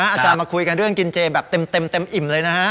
อาจารย์มาคุยกันเรื่องกินเจแบบเต็มอิ่มเลยนะฮะ